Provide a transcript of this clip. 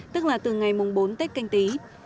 tức là từ ngày mùng bốn tết canh tí